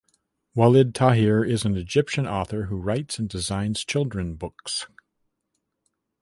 Walid Taher is an Egyptian author who writes and designs children books.